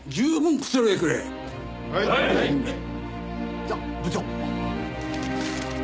じゃあ部長。